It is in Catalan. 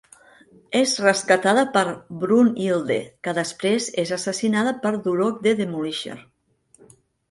És rescatada per Brunnhilde, que després és assassinada per Durok the Demolisher.